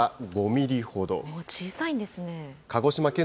小さいんですね。